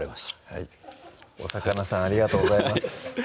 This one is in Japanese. はいお魚さんありがとうございます